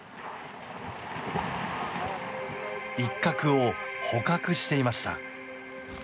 イッカクを捕獲していました。